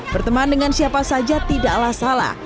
berteman dengan siapa saja tidaklah salah